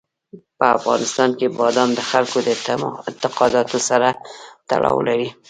په افغانستان کې بادام د خلکو د اعتقاداتو سره تړاو لري.